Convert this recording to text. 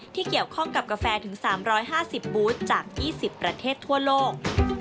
ที่เกี่ยวข้องกับกาแฟถึง๓๕๐บูธจาก๒๐ประเทศทั่วโลก